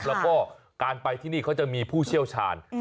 แล้วก็การไปที่นี่เขาจะมีผู้เชี่ยวชาญ